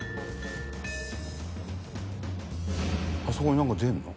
「あそこになんか出るの？」